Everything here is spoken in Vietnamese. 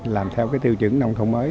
làm theo cái tiêu chứng nông thôn mới